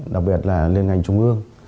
đặc biệt là liên ngành trung ương